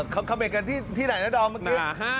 คำเด็ดกันที่ไหนนะดอมเมื่อกี้